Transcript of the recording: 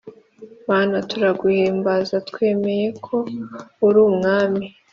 Mana turaguhimbaza twemeye ko uri umwami